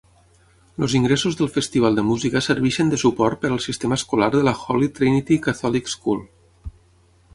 Els ingressos del festival de música serveixen de suport per al sistema escolar de la Holy Trinity Catholic School.